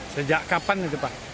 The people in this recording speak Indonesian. sejak kapan itu pak